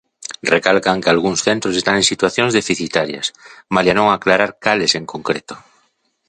Recalcan que algúns centros están en situacións deficitarias, malia non aclarar cales en concreto.